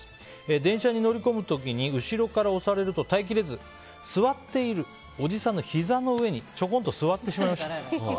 電車に乗り込む時に後ろから押されると、耐え切れず座っているおじさんのひざの上にちょこんと座ってしまいました。